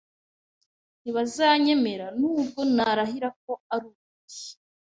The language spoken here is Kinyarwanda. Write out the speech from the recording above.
Ntibazanyemera nubwo narahira ko arukuri.